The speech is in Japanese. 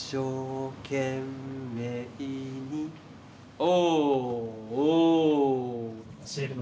お！